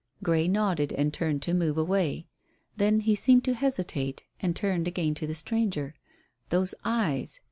Grey nodded, and turned to move away. Then he seemed to hesitate, and turned again to the stranger. Those eyes!